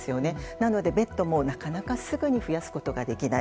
なのでベッドもなかなか、すぐに増やすことができない。